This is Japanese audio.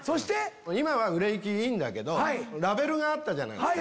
今は売れ行きいいけどラベルがあったじゃないですか。